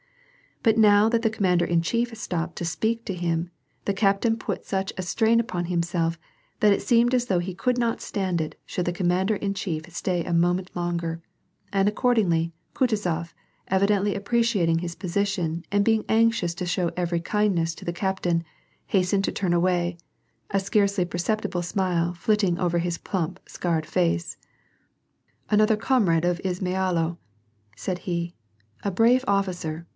But now that the commander in chief stopped to speak to him, the captain put such a strain upon himself, that it seemed as though he could not stand it should the commander in chief stay a moment longer; and, accordingly, Kutuzof, evidently appreciating his position and being anxious to show every kindness to the cap tain, hastened to turn away, a scarcely perceptible smile flitting over his plump, scarred face. " Another comrade of Izmailo !" said he. " A brave officer